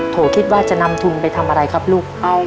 โคิดว่าจะนำทุนไปทำอะไรครับลูก